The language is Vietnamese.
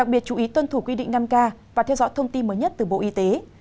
đặc biệt chú ý tuân thủ quy định năm k và theo dõi thông tin mới nhất từ bộ y tế